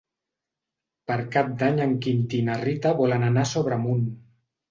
Per Cap d'Any en Quintí i na Rita volen anar a Sobremunt.